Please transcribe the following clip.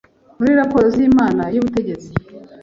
muri raporo z Inama y ubutegetsi